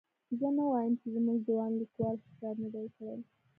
زه نه وایم چې زموږ ځوان لیکوال ښه کار نه دی کړی.